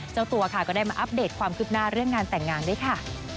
เจ้าตัวค่ะก็ได้มาอัปเดตความคืบหน้าเรื่องงานแต่งงานด้วยค่ะ